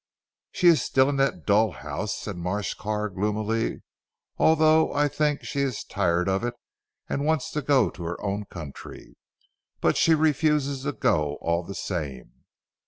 "She is still in that dull house," said Marsh Carr gloomily, "although I think she is tired of it and wants to go to her own country. But she refuses to go all the same."